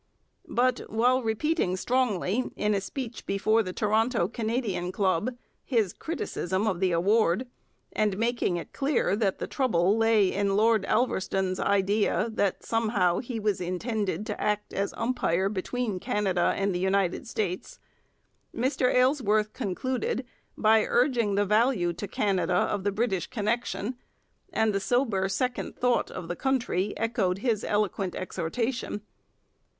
But while repeating strongly, in a speech before the Toronto Canadian Club, his criticism of the award, and making it clear that the trouble lay in Lord Alverstone's idea that somehow he was intended to act as umpire between Canada and the United States, Mr Aylesworth concluded by urging the value to Canada of British connection; and the sober second thought of the country echoed his eloquent exhortation.